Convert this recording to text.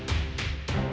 aku akan menunggu